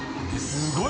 すごい！